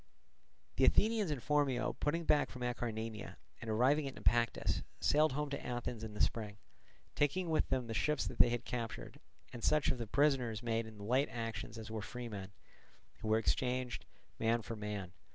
The Athenians and Phormio putting back from Acarnania and arriving at Naupactus, sailed home to Athens in the spring, taking with them the ships that they had captured, and such of the prisoners made in the late actions as were freemen; who were exchanged, man for man.